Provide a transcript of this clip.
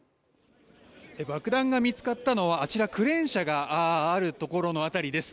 爆弾が見つかったのはあちら、クレーン車があるところの辺りです。